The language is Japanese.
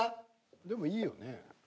でもいいよね。